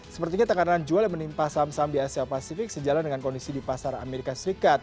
sepertinya tekanan jual yang menimpa saham saham di asia pasifik sejalan dengan kondisi di pasar amerika serikat